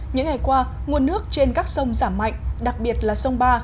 những ngày qua nguồn nước trên các sông giảm mạnh đặc biệt là sông ba